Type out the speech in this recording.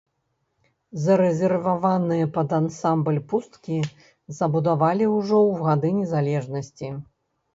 Зарэзерваваныя пад ансамбль пусткі забудавалі ўжо ў гады незалежнасці.